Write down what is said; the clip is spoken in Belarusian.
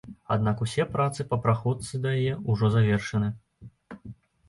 Аднак усе працы па праходцы да яе ўжо завершаны.